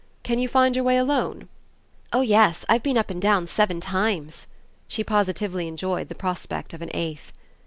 Can you find your way alone?" "Oh yes; I've been up and down seven times." She positively enjoyed the prospect of an eighth.